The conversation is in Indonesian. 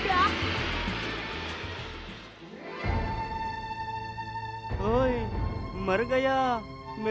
jangan makan aku